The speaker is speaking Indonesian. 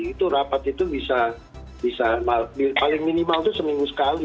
itu rapat itu bisa paling minimal itu seminggu sekali